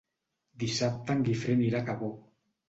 Dissabte en Guifré anirà a Cabó.